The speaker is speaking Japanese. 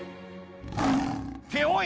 って、おい！